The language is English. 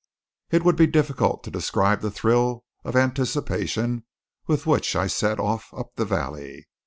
It would be difficult to describe the thrill of anticipation with which I set off up the valley.